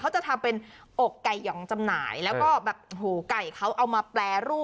จะทำเป็นอกไก่หองจำหน่ายแล้วก็แบบหูไก่เขาเอามาแปรรูป